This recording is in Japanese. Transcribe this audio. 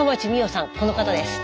この方です。